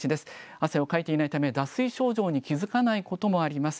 汗をかいていないため、脱水症状に気付かないこともあります。